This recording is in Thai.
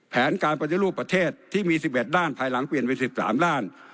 แผนการปฏิรูปประเทศที่มี๑๑ด้านภายหลังเปลี่ยนไป๑๓ด้าน